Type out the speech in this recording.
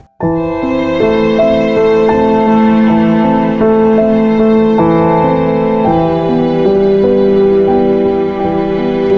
เก๋มีตัวเหลือของคุณ